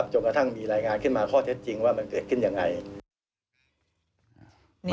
จนกระทั่งมีรายงานขึ้นมาข้อเท็จจริงว่ามันเกิดขึ้นยังไง